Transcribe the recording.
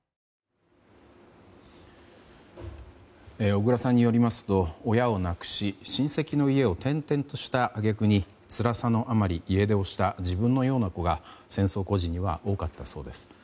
小倉さんによりますと親を亡くし親戚の家を転々とした揚げ句につらさのあまり家出をした自分のような子が戦争孤児には多かったそうです。